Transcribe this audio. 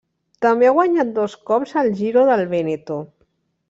També ha guanyat dos cops el Giro del Vèneto.